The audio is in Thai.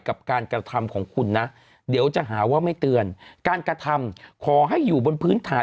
กับการกระทำของคุณนะเดี๋ยวจะหาว่าไม่เตือนการกระทำขอให้อยู่บนพื้นฐาน